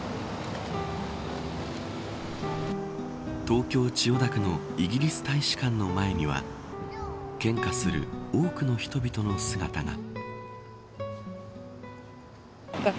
東京、千代田区のイギリス大使館の前には献花する多くの人々の姿が。